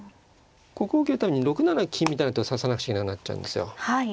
ここを受けるために６七金みたいな手を指さなくちゃいけなくなっちゃうんですよ。